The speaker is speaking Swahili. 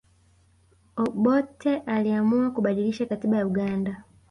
obote aliamua kubadilisha katiba ya uganda